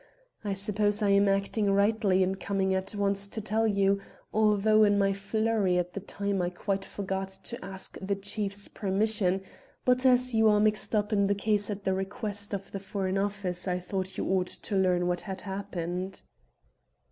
I suppose I am acting rightly in coming at once to tell you, although in my flurry at the time I quite forgot to ask the Chief's permission, but as you are mixed up in the case at the request of the Foreign Office, I thought you ought to learn what had happened."